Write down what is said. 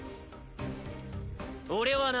俺はな